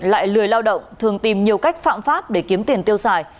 lại lười lao động thường tìm nhiều cách phạm pháp để kiếm tiền tiêu xài